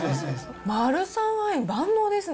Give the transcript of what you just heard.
マルサンアイ、万能ですね。